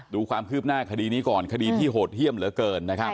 ดูความคืบหน้าคดีนี้ก่อนคดีที่โหดเยี่ยมเหลือเกินนะครับ